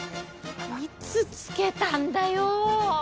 いつ着けたんだよ。